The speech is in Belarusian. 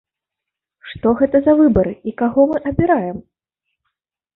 Што гэта за выбары і каго мы абіраем?